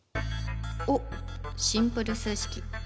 おっシンプル数式！